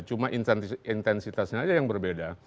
cuma intensitasnya aja yang berbeda